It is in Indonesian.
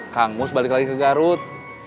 kang mus balik lagi ke garut